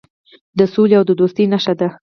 د سولې او دوستۍ نښه ده.